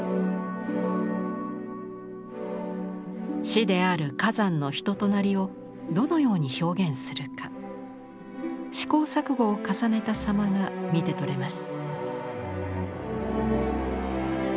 師である崋山の人となりをどのように表現するか試行錯誤を重ねた様が見て取れます。